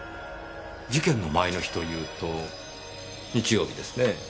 事件の前の日というと日曜日ですねぇ。